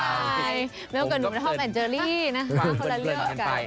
แมวกับหนูก็พอแมนเจอรี่นะ